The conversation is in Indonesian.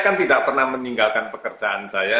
kan tidak pernah meninggalkan pekerjaan saya